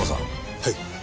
はい。